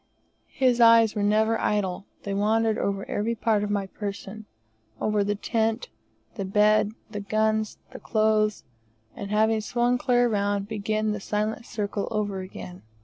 His eyes were never idle; they wandered over every part of my person, over the tent, the bed, the guns, the clothes, and having swung clear round, began the silent circle over again.